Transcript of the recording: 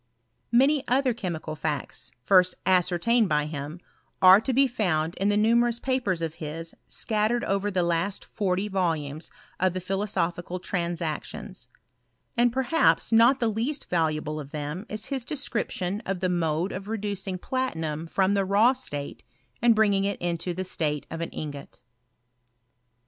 Many other chemical facts, first ascertained by him, are to be found in the numerous papers of his scat tered over the last forty volumes of the Philosophical Transactions : and perhaps not the least valuable of them is his description of the mode of reducing platinum from the raw state, and bringing it into the state of an ingot.